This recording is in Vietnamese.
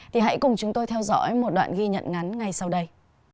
thì hãy cùng chúng tôi theo dõi một đoạn ghi nhận ngắn ngay sau đây